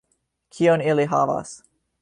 Kion ili havas